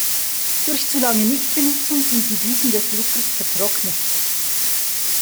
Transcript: Durch zu lange Nichtbenutzung sind die Düsen des Druckers vertrocknet.